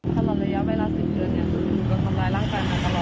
ขณะระยะเวลา๑๐เดือนนี้หนูก็ทำลายร่างกายมากกะหล่อ